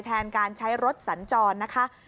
แทนการใช้รถสัญจรนะคะ